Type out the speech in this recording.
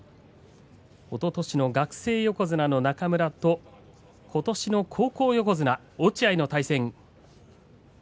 おととしの学生横綱の中村とことしの高校横綱、落合との対戦。